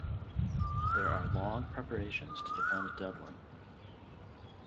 There are long preparations to defend Devlin.